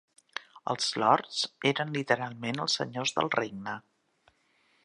Els Lords eren literalment els senyors del regne.